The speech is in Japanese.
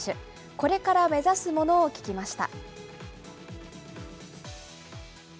これから目指すものを聞きました。